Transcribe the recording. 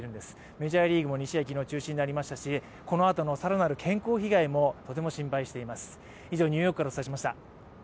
メジャーリーグも昨日、２試合中止になりましたし、このあとの更なる健康被害もとても心配しています。